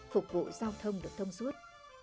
phục vụ giao thông được thông suốt